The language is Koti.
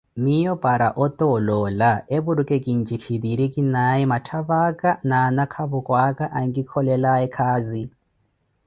miyo paara ota oloola eporki kintjikiri kinaye matthavaka na anakavokwaka ankikolelaye khazi